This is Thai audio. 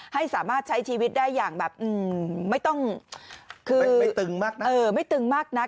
ให้สามารถใช้ชีวิตได้อย่างแบบไม่ตึงมากนัก